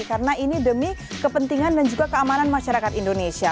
karena ini demi kepentingan dan juga keamanan masyarakat indonesia